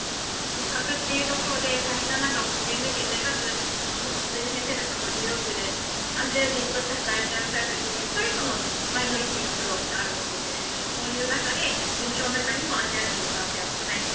合格というところで大変な中を潜り抜けてかつ茂木先生なんかもニューヨークでアジア人として働いていらっしゃる時にやっぱりマイノリティーの苦労ってあると思うんですが事務所の中にもアジア人の男性が少ないと。